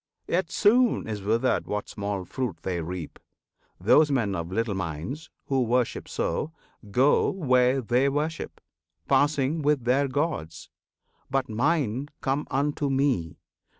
Yet soon is withered what small fruit they reap: Those men of little minds, who worship so, Go where they worship, passing with their gods. But Mine come unto me!